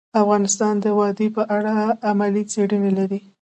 افغانستان د وادي په اړه علمي څېړنې لري.